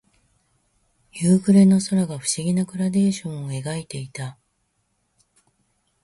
夕暮れの空が不思議なグラデーションを描いていた。